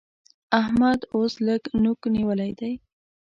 احمد اوس لږ نوک نيول دی